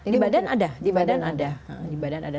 di badan ada di badan ada